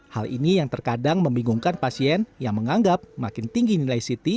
hal ini yang terkadang membingungkan pasien yang menganggap makin tinggi nilai ct